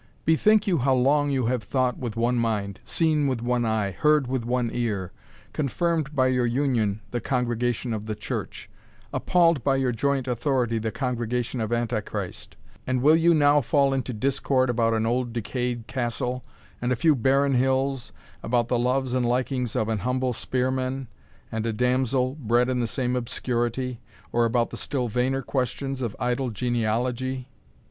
Bethink you how long you have thought with one mind, seen with one eye, heard with one ear, confirmed by your union the congregation of the Church, appalled by your joint authority the congregation of Anti Christ; and will you now fall into discord, about an old decayed castle and a few barren hills, about the loves and likings of an humble spearman, and a damsel bred in the same obscurity, or about the still vainer questions of idle genealogy?"